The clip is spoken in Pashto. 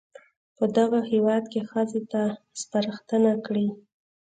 په دغه هېواد کې ښځو ته سپارښتنه کړې